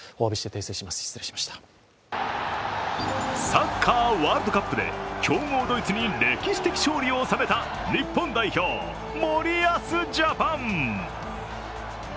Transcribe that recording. サッカーワールドカップで強豪ドイツに歴史的勝利を収めた日本代表森保ジャパン！